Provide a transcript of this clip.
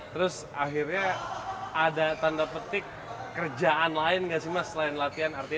terus akhirnya ada tanda petik kerjaan lain nggak sih mas selain latihan